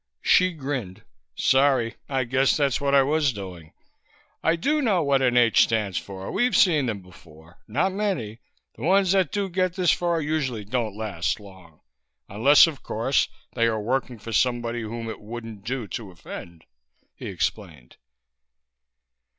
Hsi grinned. "Sorry. I guess that's what I was doing. I do know what an 'H' stands for; we've seen them before. Not many. The ones that do get this far usually don't last long. Unless, of course, they are working for somebody whom it wouldn't do to offend," he explained.